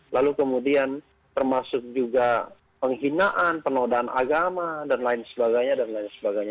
lalu kemudian termasuk juga penghinaan penodaan agama dan lain sebagainya